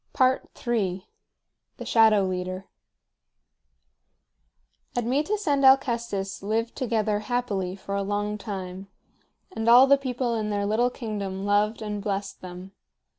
III. THE SHADOW LEADER. Admetus and Alcestis lived together happily for a long time, and all the people in their little kingdom loved and blessed them.